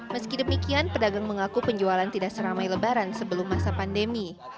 meski demikian pedagang mengaku penjualan tidak seramai lebaran sebelum masa pandemi